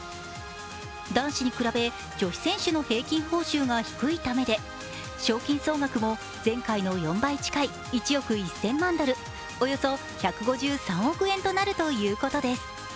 男子に比べ、女子選手の平均報酬が低いためで賞金総額も前回の４倍近い１億１０００万ドル、およそ１５３億円となるということです。